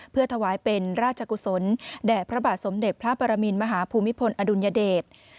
เพื่อถวายเป็นพระราชกุศลแด่พระบาทสมเด็จพระปรมินมหาภูมิพลอดุลยเดช